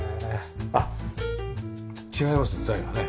あっ違います材がね。